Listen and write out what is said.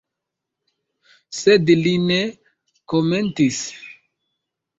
Sed li ne komentis.